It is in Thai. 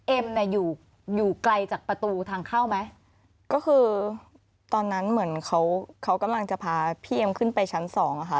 เอ็มเนี่ยอยู่อยู่ไกลจากประตูทางเข้าไหมก็คือตอนนั้นเหมือนเขาเขากำลังจะพาพี่เอ็มขึ้นไปชั้นสองอ่ะค่ะ